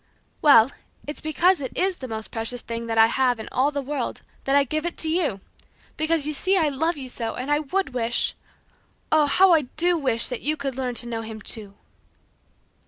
"Well, it's because it is the most precious thing that I have in all the world that I give it to you. Because you see I love you so, and I would wish ... Oh, how I do wish that you could learn to know Him too."